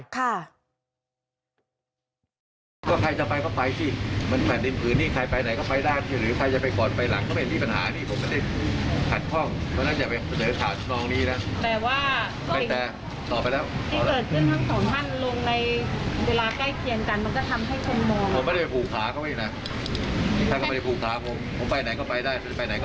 เวลาใกล้เคียงกันมันก็ทำให้คนมอง